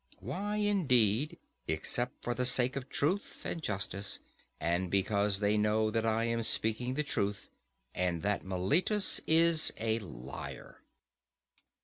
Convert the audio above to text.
Why, indeed, except for the sake of truth and justice, and because they know that I am speaking the truth, and that Meletus is a liar.